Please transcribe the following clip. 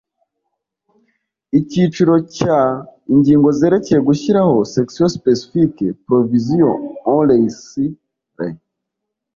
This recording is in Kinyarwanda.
ikiciro cya ingingo zerekeye gushyiraho section specific provisions on reinsurers